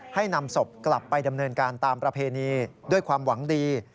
ให้นำศพกลับไปดำเนินการตามประเพณีด้วยความหวังดี